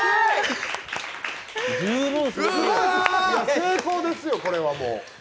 成功ですよ、これはもう。